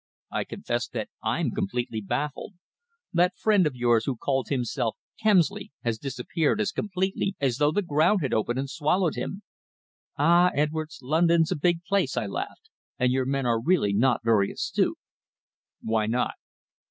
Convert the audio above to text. "I confess that I'm completely baffled. That friend of yours who called himself Kemsley has disappeared as completely as though the ground had opened and swallowed him." "Ah, Edwards, London's a big place," I laughed, "and your men are really not very astute." "Why not?"